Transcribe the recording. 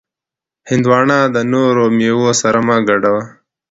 هندوانه د نورو میوو سره مه ګډوه.